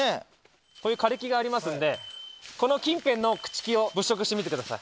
枯れ木がありますんで、この近辺の朽ち木を物色してみてください。